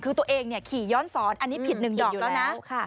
คือตัวเองขี่ย้อนสอนอันนี้ผิด๑ดอกแล้วนะ